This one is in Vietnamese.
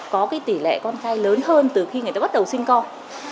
có cái tỷ lệ con thai lớn hơn từ khi người ta bắt đầu sinh con